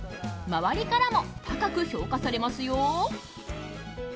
周りからも高く評価されますよ。